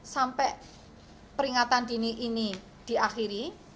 sampai peringatan dini ini diakhiri